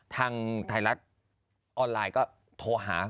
ทางไทยรัฐออนไลน์ก็โทรหา